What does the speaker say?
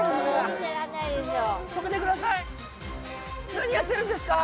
何やってるんですか。